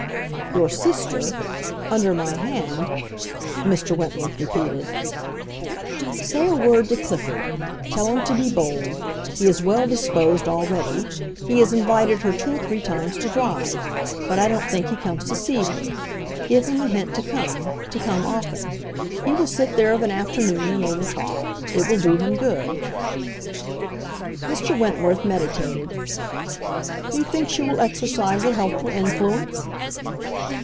"Your sister—under my hand?" Mr. Wentworth repeated. "Say a word to Clifford. Tell him to be bold. He is well disposed already; he has invited her two or three times to drive. But I don't think he comes to see her. Give him a hint to come—to come often. He will sit there of an afternoon, and they will talk. It will do him good." Mr. Wentworth meditated. "You think she will exercise a helpful influence?"